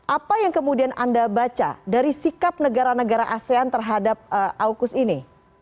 apa yang kemudian anda baca dari sikap negara negara asean terhadap aukus ini